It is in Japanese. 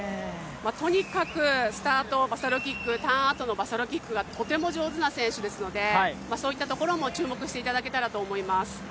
とにかくスタート、ターンあとのバサロキックがとても上手な選手ですので、そういったところも注目してもらいたいと思います。